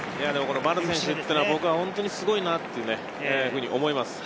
丸選手は僕は本当にすごいなと思います。